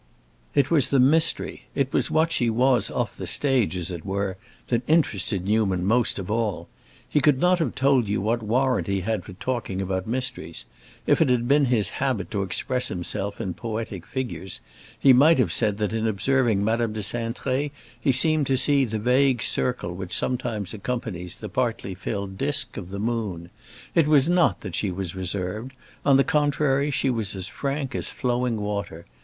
It was the mystery—it was what she was off the stage, as it were—that interested Newman most of all. He could not have told you what warrant he had for talking about mysteries; if it had been his habit to express himself in poetic figures he might have said that in observing Madame de Cintré he seemed to see the vague circle which sometimes accompanies the partly filled disk of the moon. It was not that she was reserved; on the contrary, she was as frank as flowing water.